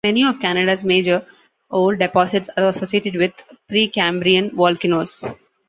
Many of Canada's major ore deposits are associated with Precambrian volcanoes.